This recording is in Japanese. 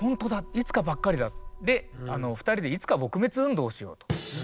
いつかばっかりだ」で２人で「いつか撲滅運動」をしようと。